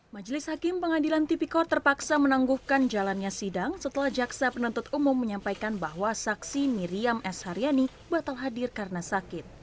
majelis hakim pengadilan tipikor terpaksa menangguhkan jalannya sidang setelah jaksa penuntut umum menyampaikan bahwa saksi miriam s haryani batal hadir karena sakit